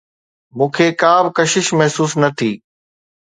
مون کي ڪا به ڪشش محسوس نه ٿي.